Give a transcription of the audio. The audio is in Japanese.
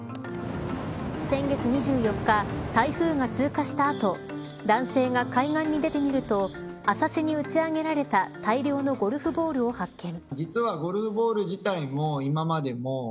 先月２４日台風が通過した後男性が海岸に出てみると浅瀬に打ち上げられた大量のゴルフボールを発見。